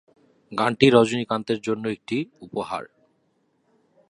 গানটি রজনীকান্তের জন্য একটি উপহার।